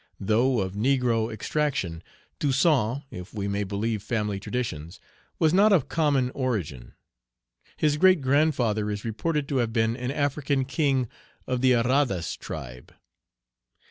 Though of Page 35 negro extraction, Toussaint, if we may believe family traditions, was not of common origin. His great grandfather is reported to have been an African king of the Arradas tribe.